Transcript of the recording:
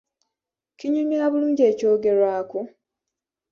Kinnyonnyola bulungi eky'ogerwako?